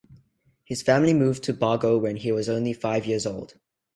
His family moved to Bago when he was only five years old.